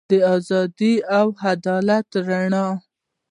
د ازادۍ او عدالت رڼا.